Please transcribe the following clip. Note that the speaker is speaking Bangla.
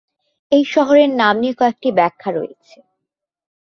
এই শহরের নাম নিয়ে কয়েকটি ব্যাখ্যা রয়েছে।